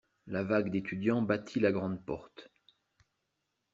La vague d'étudiants battit la grande porte.